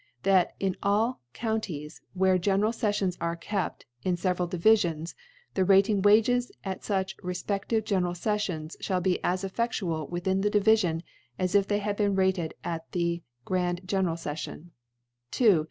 * That in all Counties where General ScC • fions are kept in feveral Divifions, the * Rating Wuges at fuch rclpeftive Cjenerai «^ Seffions, (hall be as efftftual within theDi^ • vifion, as if they had been rated at the • Grand General Scffion t 2.